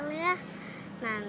nanti anaknya sedih kayak pelangi